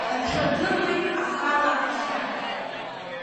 Аҽадыруеит ахала ашьа…